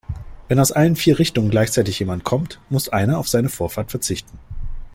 Wenn aus allen vier Richtungen gleichzeitig jemand kommt, muss einer auf seine Vorfahrt verzichten.